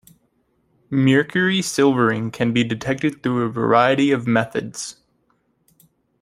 Mercury silvering can be detected through a variety of methods.